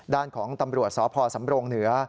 ด้านของตำรวจสพสำรงเหนือ